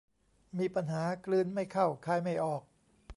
มีปัญหากลืนไม่เข้าคายไม่ออก